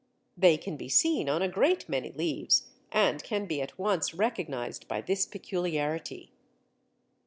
They can be seen on a great many leaves, and can be at once recognized by this peculiarity.